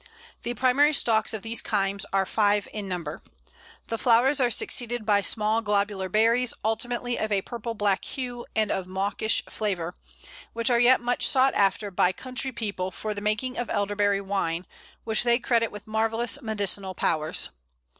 The primary stalks of these cymes are five in number. The flowers are succeeded by small globular berries, ultimately of a purple black hue, and of mawkish flavour, which are yet much sought after by country people for the making of Elderberry wine, which they credit with marvellous medicinal powers.